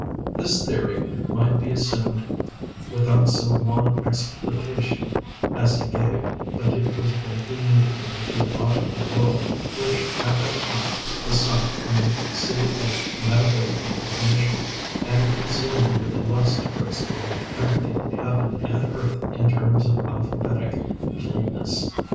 This theory might be assumed without so long explication as he gave, but it was greatly needed in the theological world, which at that time was sunk in a sea of metaphysical definition, and consumed with a lust for explaining everything in heaven and earth in terms of alphabetic plainness.